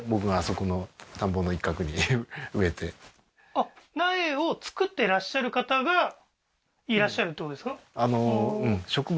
あっ苗を作ってらっしゃる方がいらっしゃるってことですか？